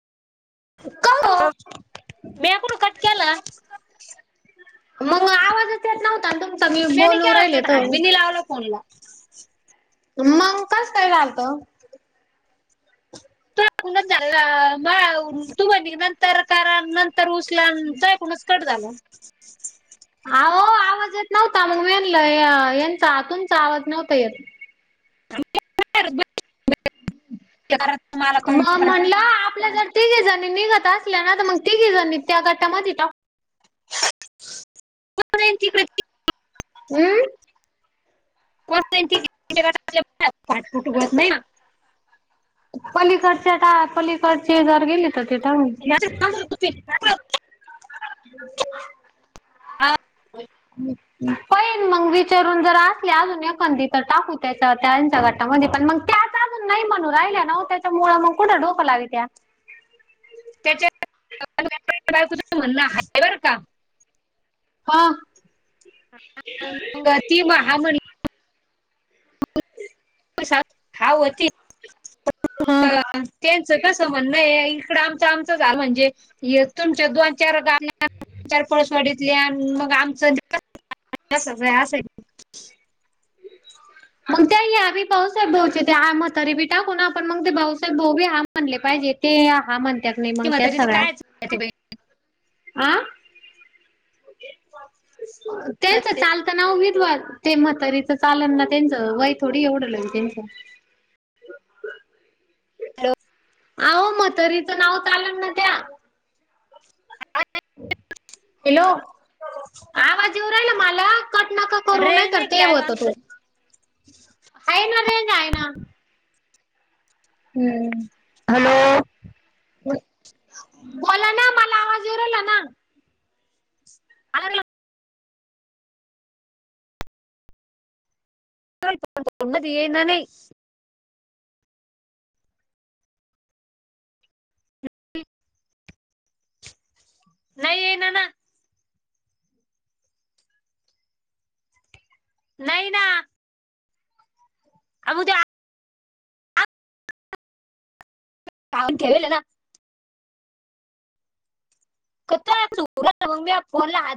का हॅलो! ओ? म्या इकडून कट केला. मग आवाजच येत न्हवता तुमचा मी नाही बोलू केला राहिले कट तर, हात बी नाही लावला फोनला मग कसं काय झालतं. तूझ्याकडुन झालं [inaudible] नंतर कार नं तर उचलाव म्हणतोय आपुनच कट झाला. अहो आवाज येत नव्हता मग मेनल यांचा तुंचा आवाज नव्हता येत. [inaudible] तिघे जणी निघत असल्या मग तिघे जणी त्या गटामध्ये [inaudible] हम्म [inaudible] पलीकडच्या पलीकडचे जर गेले तर गटात. [inaudible] [inaudible] आ... ह [inaudible] पहिन मग विचारून जर असले अजून एखधी तर त्याचा गाटामध्ये पण मग त्या, त्या पण नाही म्हणू राहिल्या न त्याच्या मुळं मग कुठं डोकं लावी तया. [inaudible] पा म ती महामणी [inaudible] [inaudible] [inaudible] हा... त्यांचं कसं म्हणणं इकडं आमच आमचं झा म्हणजे, य तुमच्या दोन, चार गाण्यान, चार पाऊसवाडीतल्यान मग आमचं [unintelligible] तसंच हाय असं ही [inaudible] [inaudible] मग त्या आमी भाऊसाहेब भाऊ ते मथारी बी टाकून, आपण मग ते भाऊसाहेब बघू या म्हणले पाहिजे, ते हा म्हणत्यात नाही, ती मग त्या म्हातारीचं सगळ्या कायच आहे ते बाई. आ त्यांच चाल त नाव विदवा, ते म्हतारीच चालल ना, त्यांच वय थोडी एवढं [unintelligible] [inaudible] हॅलो अहो म्हातारीच नाव चालेल ना त्या? हॅलो, आवाज येवू राहिला मला, कट नका करू रेंज नका नाही ते काय बा? होतो तो, आहे ना, रेंज आहे ना. हम्म हॅलो बोला ना, मला आवाज येऊ राहिला ना अ [unintelligible] [unintelligible] मदी ये ना नाही नाही, येईना ना नाही ना अम उद्या पाहून ठेवेल ना [unintelligible] म्या फोनला हात